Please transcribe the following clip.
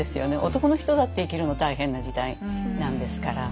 男の人だって生きるの大変な時代なんですから。